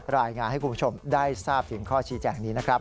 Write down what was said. รายงานให้คุณผู้ชมได้ทราบถึงข้อชี้แจ่งนี้นะครับ